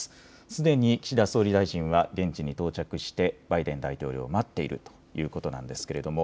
すでに岸田総理大臣が現地に到着してバイデン大統領を待っているということなんですけれども